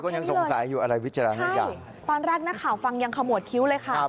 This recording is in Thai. บอกมันดีเลยค่ะพวกนี้เลยตอนแรกนักข่าวฟังยังขโมดคิ้วเลยค่ะ